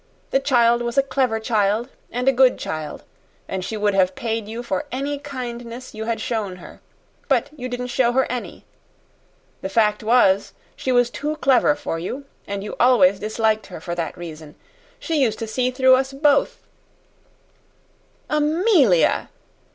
The child was a clever child and a good child and she would have paid you for any kindness you had shown her. But you didn't show her any. The fact was, she was too clever for you, and you always disliked her for that reason. She used to see through us both " "Amelia!"